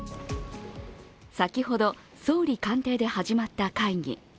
先ほど総理官邸で始まった会議。